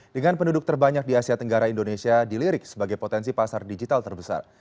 dengan penduduk terbanyak di asia tenggara indonesia dilirik sebagai potensi pasar digital terbesar